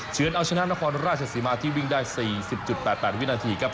เชิญเอาชนะนครราชสีมาที่วิ่งได้๔๐๘๘วินาทีครับ